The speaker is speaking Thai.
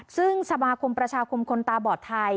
ซึ่งสมาคมประชาคมคนตาบอดไทย